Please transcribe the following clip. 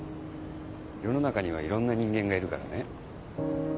世の中にはいろんな人間がいるからね。